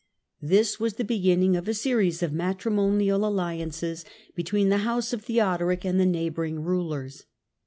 This was the beginning of a series matrimonial alliances between the house of Theodoric id the neighbouring rulers.